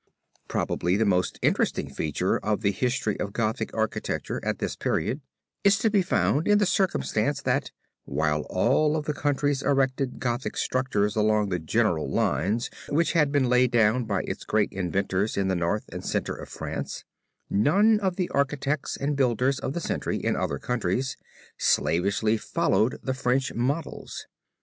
Probably, the most interesting feature of the history of Gothic architecture, at this period, is to be found in the circumstance that, while all of the countries erected Gothic structures along the general lines which had been laid down by its great inventors in the North and Center of France, none of the architects and builders of the century, in other countries, slavishly followed the French models.